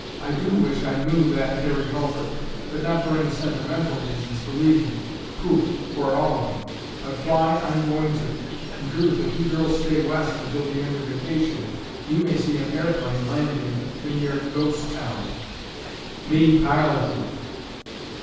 I do wish I knew that Harry Hulbert, but not for any sentimental reasons, believe me. Pouff—for all of 'em! But fly I'm going to!! In truth, if you girls stay West until the end of vacation, you may see an airplane landing in your ghost town—me piloting!!!???"